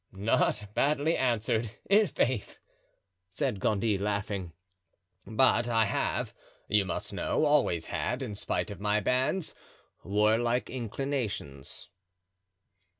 "Not badly answered, i'faith," said Gondy, laughing; "but I have, you must know, always had, in spite of my bands, warlike inclinations."